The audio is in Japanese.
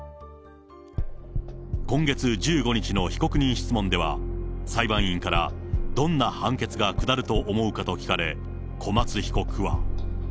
今月１５日の被告人質問では、裁判員から、どんな判決が下ると思うかと聞かれ、小松被告は。